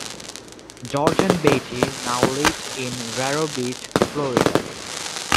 George and Betty now live in Vero Beach, Florida.